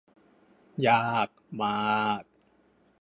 ยากมาก